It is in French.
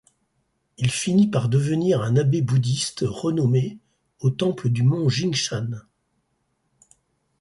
Il finit par devenir un abbé bouddhiste renommé au temple du mont Jingshan.